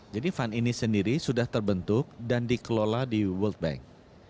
jadi fund ini sendiri sudah terbentuk dan dikelola di world bank